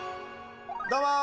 どうもー！